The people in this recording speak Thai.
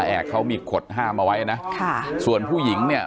แอบเขามีขดห้ามเอาไว้นะค่ะส่วนผู้หญิงเนี่ย